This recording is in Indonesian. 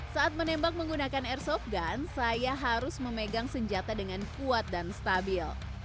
saat menembak menggunakan airsoft gun saya harus memegang senjata dengan kuat dan stabil